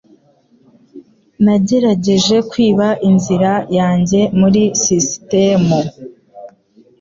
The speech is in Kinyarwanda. Nagerageje kwiba inzira yanjye muri sisitemu